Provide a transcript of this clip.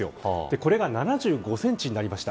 これが７５センチになりました。